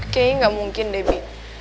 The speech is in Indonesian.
kayaknya gak mungkin debi